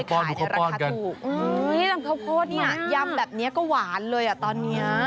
ก็เลยขายในราคาถูกมะยำแบบนี้ก็หวานเลยตอนนี้